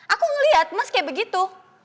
aku ngeliat mas kayak begitu